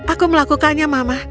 aku melakukannya mama